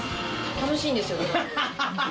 楽しいんですよ、ドラム。